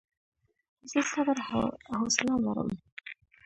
زه صبر او حوصله لرم.